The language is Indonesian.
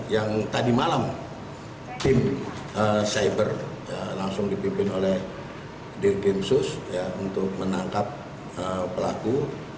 yang tadi malam tim cyber langsung dipimpin oleh dirgensus untuk menangkap pelaku